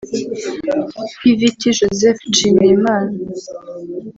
Pvt Joseph Nshimyimana